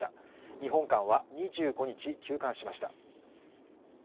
日本館は２５日休館しました。